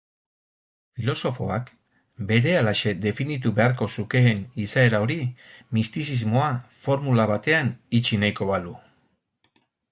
Filosofoak berehalaxe definitu beharko zukeen izaera hori mistizismoa formula batean itxi nahiko balu.